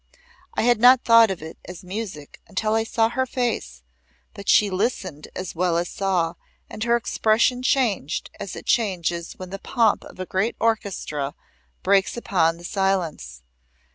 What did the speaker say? I had not thought of it as music until I saw her face but she listened as well as saw, and her expression changed as it changes when the pomp of a great orchestra breaks upon the silence.